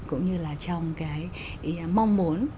cũng như là trong cái mong muốn